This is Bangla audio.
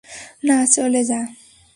না, চলে যা।